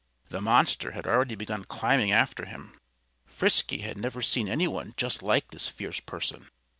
The monster had already begun climbing after him. Frisky had never seen any one just like this fierce person.